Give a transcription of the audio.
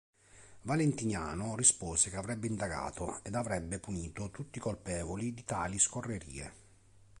Valentiniano rispose che avrebbe indagato ed avrebbe punito tutti i colpevoli di tali scorrerie.